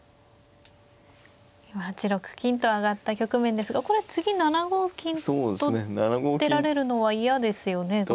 今８六金と上がった局面ですがこれ次７五金と出られるのは嫌ですよね